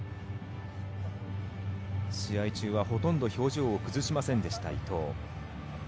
試合中はほとんど表情を崩しませんでした、伊藤。